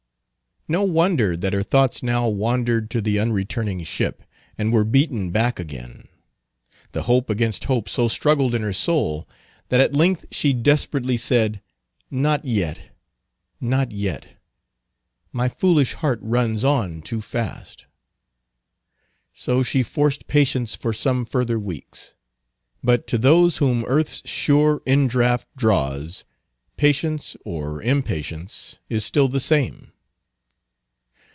No wonder, that as her thoughts now wandered to the unreturning ship, and were beaten back again, the hope against hope so struggled in her soul, that at length she desperately said, "Not yet, not yet; my foolish heart runs on too fast." So she forced patience for some further weeks. But to those whom earth's sure indraft draws, patience or impatience is still the same.